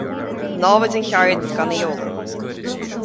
Namhaid an cheird gan í a fhoghlaim.